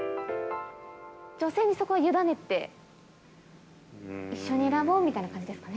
女性にそこは委ねて、一緒に選ぼうみたいな感じですかね？